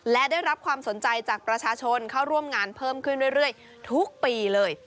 และได้รับความสนใจจากประชาชนเข้าร่วมงานเพิ่มขึ้นเรื่อยทุกปีเลย